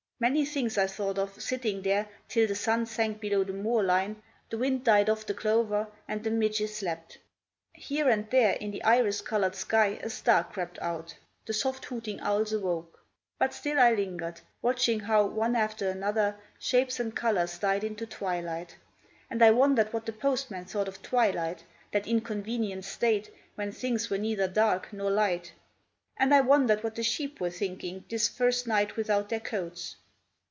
Many things I thought of, sitting there, till the sun sank below the moor line, the wind died off the clover, and the midges slept. Here and there in the iris coloured sky a star crept out; the soft hooting owls awoke. But still I lingered, watching how, one after another, shapes and colours died into twilight; and I wondered what the postman thought of twilight, that inconvenient state, when things were neither dark nor light; and I wondered what the sheep were thinking this first night without their coats.